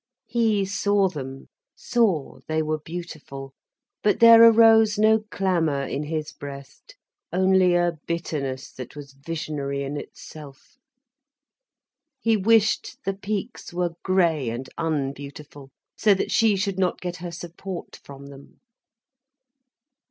He saw them, saw they were beautiful. But there arose no clamour in his breast, only a bitterness that was visionary in itself. He wished the peaks were grey and unbeautiful, so that she should not get her support from them.